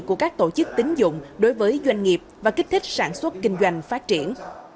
của các tổ chức tính dụng đối với doanh nghiệp và kích thích sản xuất kinh doanh phát triển